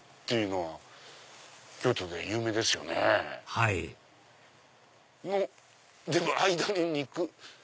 はいでも間に「肉」。